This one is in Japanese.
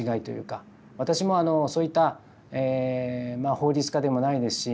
私もそういった法律家でもないですし。